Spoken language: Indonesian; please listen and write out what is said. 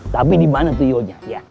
tapi di mana tuyulnya ya